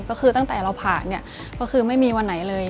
ก็คือตั้งแต่เราผ่านไม่มีวันไหนเลย